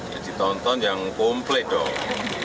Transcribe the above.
jadi tonton yang komplit dong